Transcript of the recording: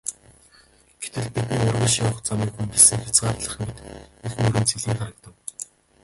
Гэтэл бидний урагш явах замыг хөндөлсөн хязгаарлах мэт их мөрөн цэлийн харагдав.